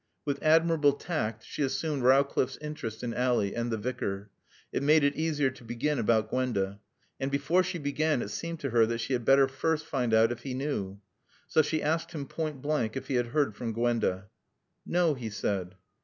With admirable tact she assumed Rowcliffe's interest in Ally and the Vicar. It made it easier to begin about Gwenda. And before she began it seemed to her that she had better first find out if he knew. So she asked him point blank if he had heard from Gwenda? "No," he said.